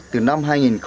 từ năm hai nghìn bảy